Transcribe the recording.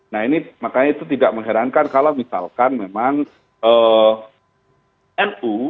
nah ini makanya itu tidak mengherankan kalau misalkan memang nu